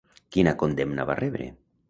Quina condemna va rebre?